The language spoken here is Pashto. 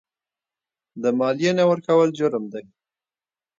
د مالیې نه ورکول جرم دی.